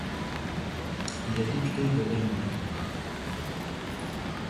Il est député de l’Aisne.